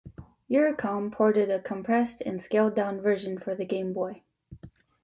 Eurocom ported a compressed and scaled down version for the Game Boy.